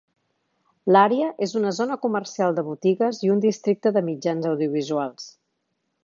L'àrea és una zona comercial de botigues i un districte de mitjans audiovisuals.